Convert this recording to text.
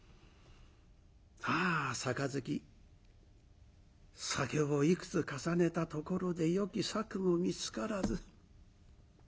ああ杯酒をいくつ重ねたところでよき策も見つからず。